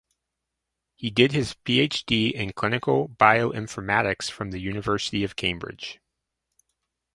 He did his PhD in clinical bioinformatics from the University of Cambridge.